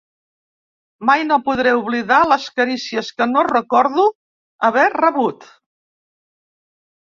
Mai no podré oblidar les carícies que no recordo haver rebut.